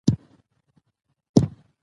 قومونه د افغانستان د طبعي سیسټم توازن ساتي.